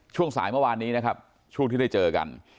ช่วงสายเมื่อวานนี้นะครับช่วงที่ได้เจอกัน